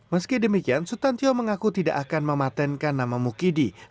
meski demikian sutan tio mengaku tidak akan mematenkan nama mukidi